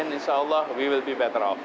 dan insya allah kita akan lebih baik